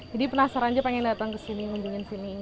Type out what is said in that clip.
jadi penasarannya pengen datang kesini mendingin sini